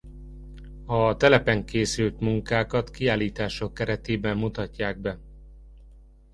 A telepen készült munkákat kiállítások keretében mutatják be.